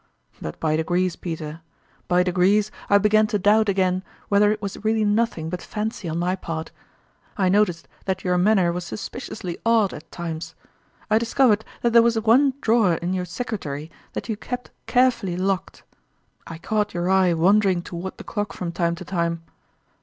But by degrees. Peter by de grees I began to doubt again whether it was really nothing but fancy on my part. I noticed that your manner was suspiciously odd at times. I discovered that there was one draw er in your secretary that you kept carefully locked. I caught your eye wandering toward the clock from time to time.